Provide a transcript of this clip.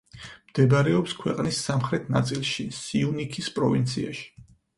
მდებარეობს ქვეყნის სამხრეთ ნაწილში, სიუნიქის პროვინციაში.